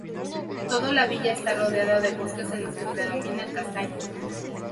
Todo la villa está rodeada de bosques en los que predomina el castaño.